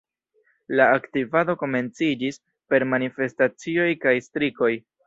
La aktivado komenciĝis per manifestacioj kaj strikoj.